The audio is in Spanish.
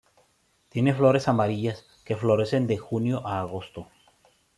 Tiene flores amarillas, que florecen de junio a agosto.